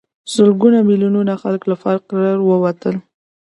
سلګونه میلیونه خلک له فقر ووتل.